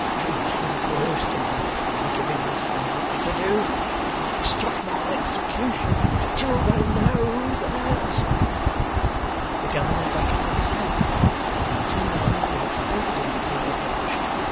They've made it worse to me by giving me so much to do. Stop my execution till they know that!' The governor beckoned with his hand, and the two men, who had supported him before, approached.